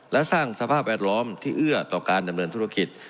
และสร้างสภาพแวดล้อมที่เอื้อต่อการดำเนินธุรกิจ